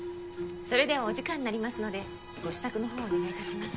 それではお時間になりますのでご支度の方をお願いいたします。